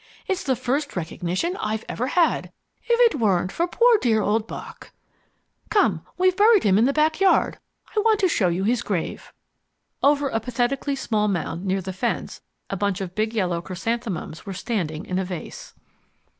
It's the first recognition I've ever had. If it weren't for poor dear old Bock Come, we've buried him in the back yard. I want to show you his grave." Over a pathetically small mound near the fence a bunch of big yellow chrysanthemums were standing in a vase.